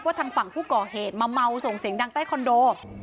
ทางฝั่งผู้ก่อเหตุมาเมาส่งเสียงดังใต้คอนโด